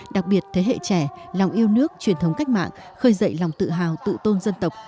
đặc biệt thế hệ trẻ lòng yêu nước truyền thống cách mạng khơi dậy lòng tự hào tự tôn dân tộc